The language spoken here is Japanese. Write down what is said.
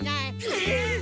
えっ！